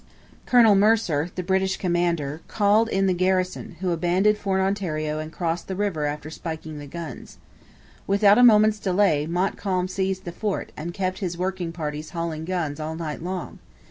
Colonel Mercer, the British commander, called in the garrison, who abandoned Fort Ontario and crossed the river after spiking the guns. Without a moment's delay Montcalm seized the fort and kept his working parties hauling guns all night long.